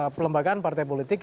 pelembagaan partai politik